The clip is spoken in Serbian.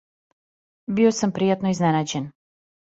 Био сам пријатно изненађен.